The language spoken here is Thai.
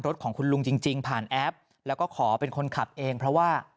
รถของคุณลุงจริงจริงผ่านแอปแล้วก็ขอเป็นคนขับเองเพราะว่า